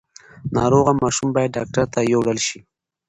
ناروغه ماشوم باید ډاکټر ته یووړل شي۔